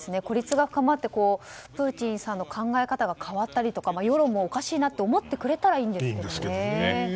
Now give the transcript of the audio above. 孤立が深まってプーチンさんの考え方が変わったりとか世論もおかしいなと思ってくれたらいいんですけどね。